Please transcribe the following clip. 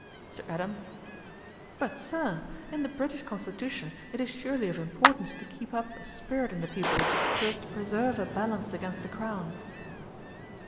SIR ADAM. 'But, Sir, in the British constitution it is surely of importance to keep up a spirit in the people, so as to preserve a balance against the crown.'